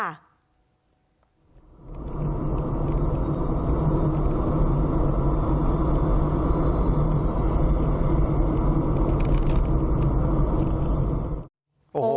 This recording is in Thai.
โอ้โห